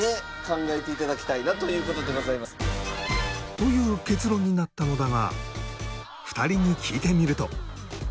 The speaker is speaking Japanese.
という結論になったのだが２人に聞いてみると。